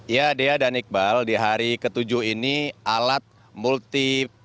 ya dea dan iqbal di hari ke tujuh ini alat multip